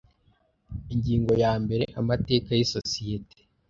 Ingingo ya mbere Amateka y isosiyete